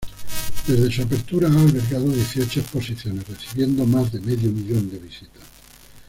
Desde su apertura ha albergado dieciocho exposiciones recibiendo más de medio millón de visitas.